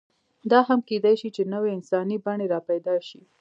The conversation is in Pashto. دا هم کېدی شي، چې نوې انساني بڼې راپیدا شي.